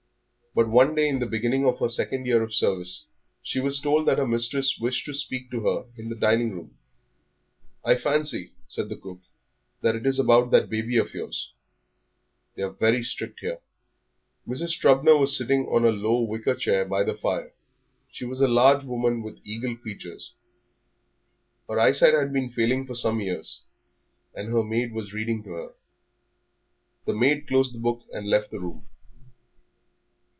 But one day in the beginning of her second year of service she was told that her mistress wished to speak to her in the dining room. "I fancy," said the cook, "that it is about that baby of yours; they're very strict here." Mrs. Trubner was sitting on a low wicker chair by the fire. She was a large woman with eagle features. Her eyesight had been failing for some years, and her maid was reading to her. The maid closed the book and left the room.